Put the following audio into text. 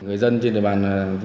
người dân trên địa bàn